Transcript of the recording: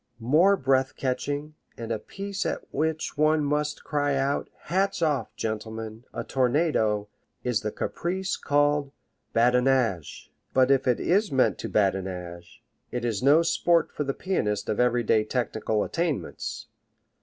More breath catching, and a piece at which one must cry out: "Hats off, gentlemen! A tornado!" is the caprice called "Badinage." But if it is meant to badinage, it is no sport for the pianist of everyday technical attainments.